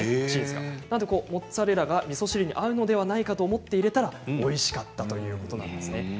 チーズ、モッツァレラがみそ汁に合うのではないかと思って入れたらおいしかったということなんです。